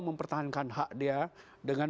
mempertahankan hak dia dengan